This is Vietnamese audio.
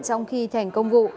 trong khi thành công vụ